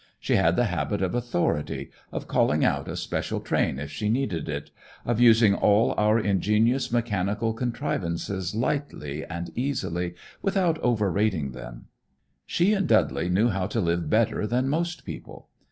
She had the habit of authority, of calling out a special train if she needed it, of using all our ingenious mechanical contrivances lightly and easily, without over rating them. She and Dudley knew how to live better than most people.